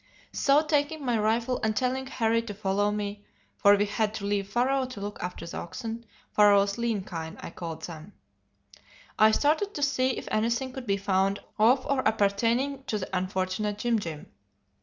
"So taking my rifle and telling Harry to follow me (for we had to leave Pharaoh to look after the oxen Pharaoh's lean kine, I called them), I started to see if anything could be found of or appertaining to the unfortunate Jim Jim.